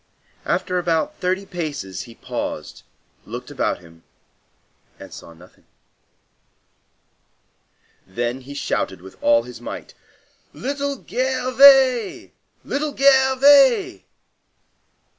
After about thirty paces he paused, looked about him and saw nothing. Then he shouted with all his might:— "Little Gervais! Little Gervais!"